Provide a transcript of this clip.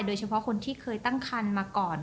โดยเฉพาะคนที่เคยตั้งคันมาก่อน